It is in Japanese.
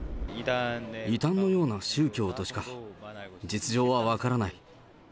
異端のような宗教としか、実情は分からない。